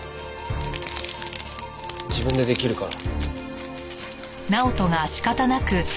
自分で出来るから。